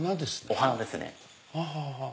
お花ですね。